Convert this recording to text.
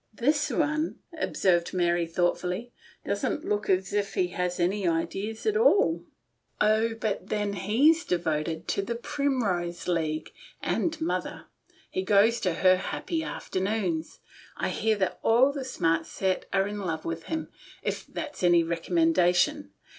"This one," observed Mary thoughtfully, "doesn't look as if he had any ideas at all." " Oh ! but then he's devoted to the Prim rose League. Mother makes a perfect fool of him. He goes to her Happy Afternoons. I hear all the smart set are in love with him — if that's any recommendation.